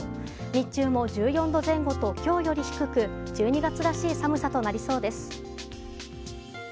日中も１４度前後と今日より低く１２月らしい寒さとなりそうです。